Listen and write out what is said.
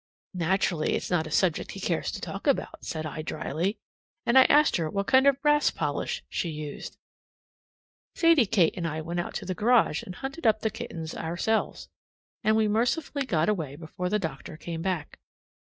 "Naturally it's not a subject he cares to talk about," said I dryly, and I asked her what kind of brass polish she used. Sadie Kate and I went out to the garage and hunted up the kittens ourselves; and we mercifully got away before the doctor came back.